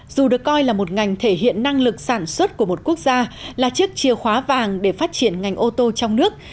dù được coi là một ngành thể hiện năng lực sản xuất của một quốc gia là chiếc chìa khóa vàng để phát triển ngành ô tô trong nước